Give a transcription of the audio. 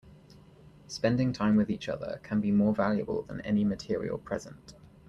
Spending time with each other can be more valuable than any material present.